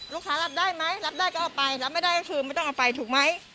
รับได้ไหมรับได้ก็เอาไปรับไม่ได้ก็คือไม่ต้องเอาไปถูกไหม